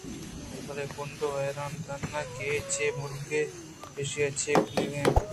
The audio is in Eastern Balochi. بلے گوٛنڈو حیران اِتنت کہ اے چے مُرگے ءُ ایشی ءَ چے کن اَنت